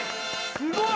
すごい！